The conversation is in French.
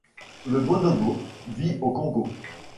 Le bonobo vit au Congo